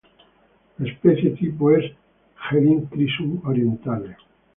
La especie tipo es "Helichrysum orientale".